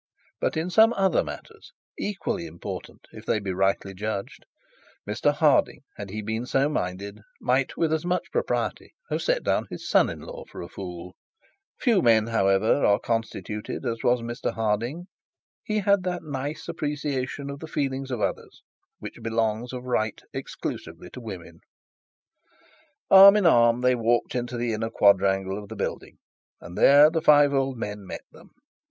But in some other matters, equally important if they be rightly judged, Mr Harding, had he been so minded, might with as much propriety have set down his son in law for a fool. Few men, however, are constituted as was Mr Harding. He had that nice appreciation of the feelings of others which belongs of right exclusively to women. Arm in arm they walked into the inner quadrangle of the building, and there the five old men met them.